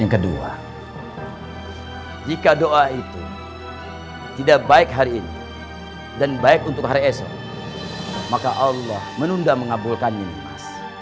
kedua jika doa itu tidak baik hari ini dan baik untuk hari esok maka allah menunda mengabulkannya emas